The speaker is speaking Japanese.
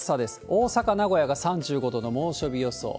大阪、名古屋が３５度の猛暑日予想。